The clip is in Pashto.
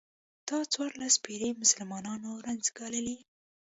دا څوارلس پېړۍ مسلمانانو رنځ ګاللی.